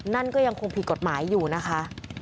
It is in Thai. นั่นก็ยังคงผิดกฎหมายอยู่นะคะ